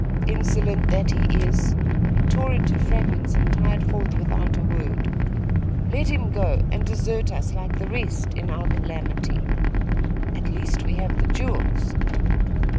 'Insolent that he is! he tore it to fragments and tied forth without a word.' 'Let him go, and desert us like the rest, in our calamity!' 'At least, we have the jewels.